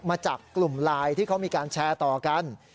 มาจากกลุ่มไลน์ที่เขามีการแชร์ต่อกัน